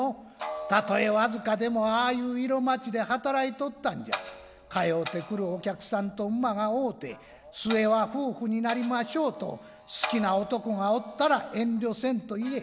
たとえ僅かでもああいう色町で働いとったんじゃ通うてくるお客さんと馬が合うて末は夫婦になりましょうと好きな男がおったら遠慮せんと言え。